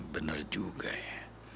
bener juga ya